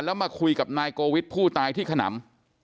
แล้วมาคุยกับนายโกวิทย์ผู้ตายที่ขนำ